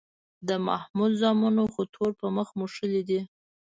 د محمود زامنو خو تور په مخ موښلی دی